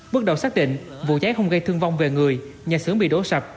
bước đầu xác định vụ cháy không gây thương vong về người nhà xưởng bị đổ sập